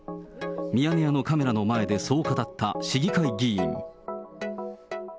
ミヤネ屋のカメラの前でそう語った市議会議員。